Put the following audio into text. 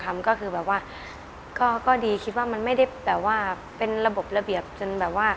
คุณอาจารย์ก็ดีคิดว่ามันไม่ได้แบบว่าเป็นระบบระเบียบจนแบบว่า